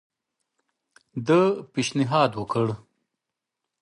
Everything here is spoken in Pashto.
ده پېشنهاد وکړ.